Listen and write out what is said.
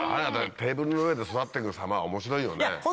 テーブルの上で育ってく様は面白いよね。